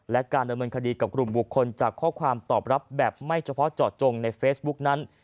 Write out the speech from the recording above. และการดำเนินคดีกับกลุ่มบุคคลจากข้อความตอบรับแบบไม่เฉพาะเจาะจงในเฟซบุ๊กนั้น